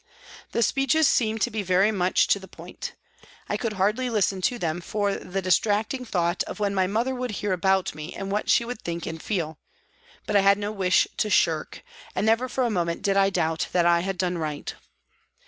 * The speeches seemed to be very much to the point. I could hardly listen to them for the distracting thought of when my mother would hear about me and what she would think and feel ; but I had no wish to shirk, and never for a moment did I doubt that I had done right.